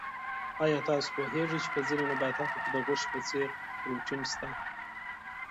آیا تاسو پوهېږئ چې په ځینو نباتاتو کې د غوښې په څېر پروټین شته؟